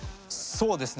そうですね。